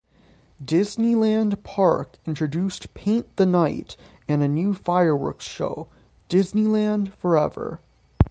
Disneyland Park introduced Paint The Night and a new fireworks show, "Disneyland Forever".